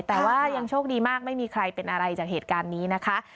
แต่ว่ายังโชคดีมากไม่มีใครเป็นอะไรจากเหตุการณ์นี้นะคะ